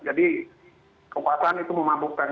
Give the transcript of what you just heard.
jadi kekuasaan itu memabukkan